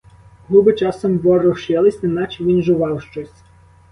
Губи часом ворушились, неначе він жував щось.